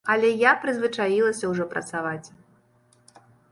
Але я прызвычаілася ўжо працаваць.